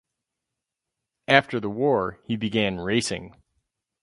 After the war, he began racing.